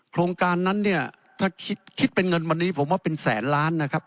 โครงการนั้นเนี่ยถ้าคิดเป็นเงินวันนี้ผมว่าเป็นแสนล้านนะครับ